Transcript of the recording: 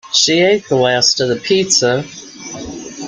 She ate the last of the pizza